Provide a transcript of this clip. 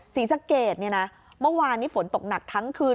ศรีสะเกดเนี่ยนะเมื่อวานนี้ฝนตกหนักทั้งคืน